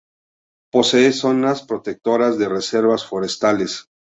Posee zonas protectoras de reservas forestales.